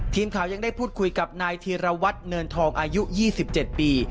ทีมข่าวยังได้พูดคุยกับนายธีรวัตรเนินทองอายุ๒๗ปี